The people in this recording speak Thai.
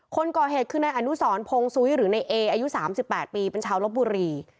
คนก่อเหตุคือในอนุสรพงศ์ซุยหรือในเออายุสามสิบแปดปีเป็นชาวลบบุรี